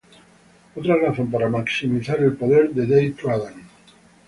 Otra razón es para maximizar el poder de day trading.